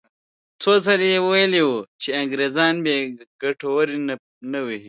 څو ځلې یې ویلي وو چې انګریزان بې ګټو ری نه وهي.